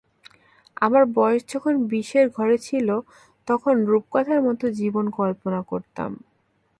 আমার বয়স যখন বিশের ঘরে ছিল, তখন রূপকথার মতো জীবন কল্পনা করতাম।